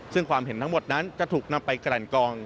ซึ่งความเห็นทั้งหมดนั้นจะถูกนำไปกลั่นกอง